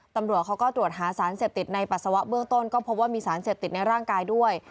ตำรวจเขาก็ตรวจหาสารเสพติดในปัสสาวะเบื้องต้นก็พบว่ามีสารเสพติดในร่างกายด้วย